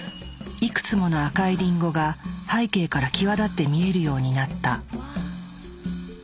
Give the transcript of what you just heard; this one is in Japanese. いくつもの赤いリンゴが背景から際立って見えるようになった。